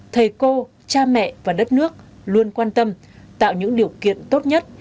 thầy cô cha mẹ và đất nước luôn quan tâm tạo những điều kiện tốt nhất